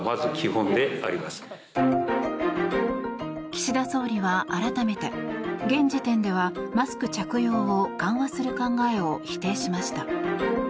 岸田総理は改めて現時点ではマスク着用を緩和する考えを否定しました。